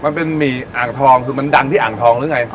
มันมีหมี่อ่างทองคือมันดังที่อ่างทองหรือไง